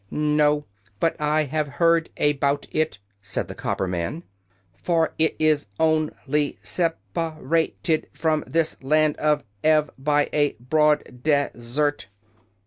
"No; but I have heard a bout it," said the cop per man. "For it is on ly sep a ra ted from this Land of Ev by a broad des ert."